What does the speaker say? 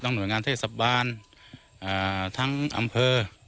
หน่วยงานเทศบาลทั้งอำเภอ